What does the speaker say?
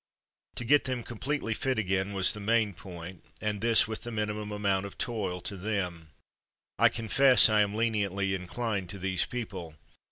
To get them completely fit again was the main point, and this with the minimum amount of toil to them. I confess I am leniently inclined to these people.